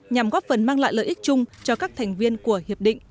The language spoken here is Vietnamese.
nhằm góp phần mang lại lợi ích chung cho các thành viên của hiệp định